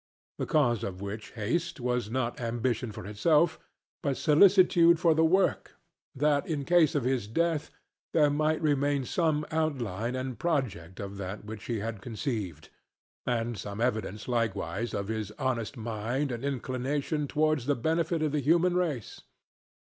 The cause of which haste was not ambition for himself, but solicitude for the work; that in case of his death there might remain some outline and project of that which he had conceived, and some evidence likewise of his honest mind and inclination towards the benefit of the human race.